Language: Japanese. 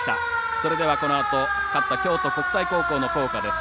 それでは、このあと勝った京都国際の校歌です。